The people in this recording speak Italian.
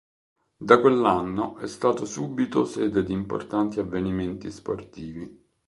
Da quell'anno è stato subito sede di importanti avvenimenti sportivi.